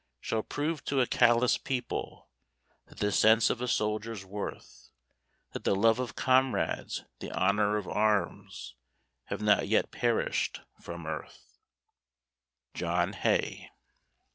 Shall prove to a callous people That the sense of a soldier's worth, That the love of comrades, the honor of arms, Have not yet perished from earth. JOHN HAY.